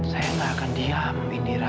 saya nggak akan diam indira